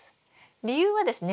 理由はですね